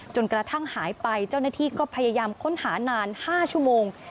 กระทั่งหายไปเจ้าหน้าที่ก็พยายามค้นหานาน๕ชั่วโมง